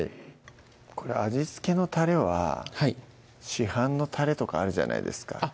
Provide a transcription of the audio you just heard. これ味付けのたれは市販のたれとかあるじゃないですか